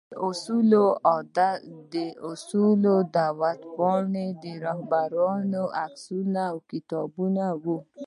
د اصول دعوت پاڼې، د رهبرانو عکسونه او کتابونه وو.